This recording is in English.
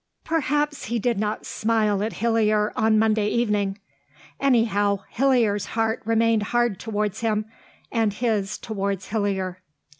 Perhaps he did not smile at Hillier on Monday evening; anyhow Hillier's heart remained hard towards him, and his towards Hillier.